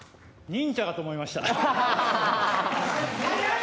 忍者かと思いました。